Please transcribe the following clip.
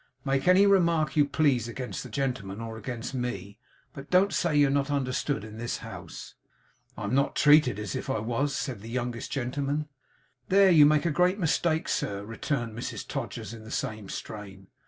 Make any remark you please against the gentlemen, or against me; but don't say you're not understood in this house.' 'I'm not treated as if I was,' said the youngest gentleman. 'There you make a great mistake, sir,' returned Mrs Todgers, in the same strain.